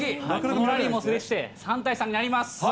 ラリーも制して３対３になります。